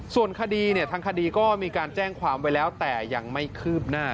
ส่วนคดีเนี่ยทางคดีก็มีการแจ้งความไว้แล้วแต่ยังไม่คืบหน้า